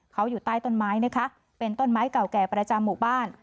เขาอยู่ใต้ต้นไม้นะคะเป็นต้นไม้เก่าแก่ประจำหมู่บ้าน